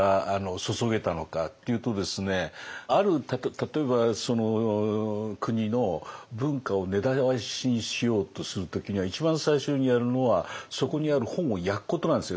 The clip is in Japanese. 例えばその国の文化を根絶やしにしようとする時には一番最初にやるのはそこにある本を焼くことなんですよ。